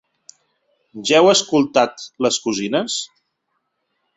Ja heu escoltat "Les cosines"?